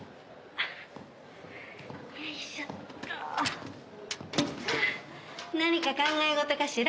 ふう何か考え事かしら？